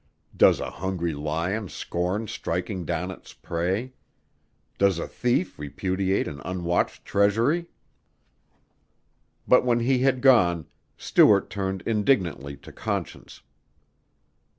Does a hungry lion scorn striking down its prey? Does a thief repudiate an unwatched treasury? But when he had gone, Stuart turned indignantly to Conscience.